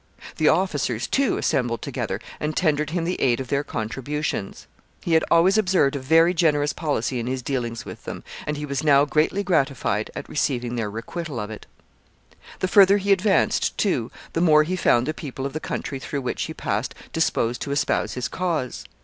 The officers, too, assembled together, and tendered him the aid of their contributions. He had always observed a very generous policy in his dealings with them, and he was now greatly gratified at receiving their requital of it. [Sidenote: His policy in releasing Domitius.] The further he advanced, too, the more he found the people of the country through which he passed disposed to espouse his cause.